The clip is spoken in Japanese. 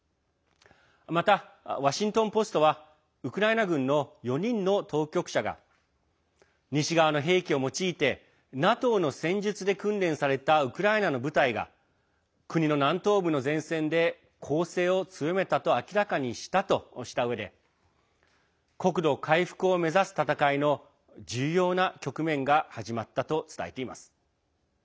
また、ワシントン・ポストはウクライナ軍の４人の当局者が西側の兵器を用いてＮＡＴＯの戦術で訓練されたウクライナの部隊が国の南東部の前線で攻勢を強めたと明らかにしたとしたうえで国土回復を目指す戦いの重要な局面が始まったと伝えています。